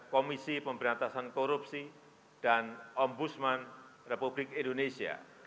komisi pemberantasan korupsi dan ombudsman republik indonesia